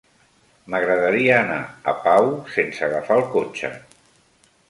M'agradaria anar a Pau sense agafar el cotxe.